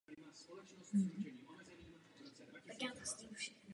Na Pedagogické fakultě Univerzity Karlovy vystudovala obor český jazyk a hudební výchova.